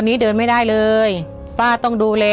คนที่สองชื่อน้องก็เอาหลานมาให้ป้าวันเลี้ยงสองคน